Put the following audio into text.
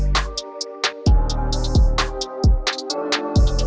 ถ้านี่ขึ้นมาไม่ถูกรู้